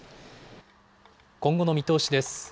今後の見通しです。